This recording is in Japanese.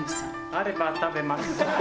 あれば食べます。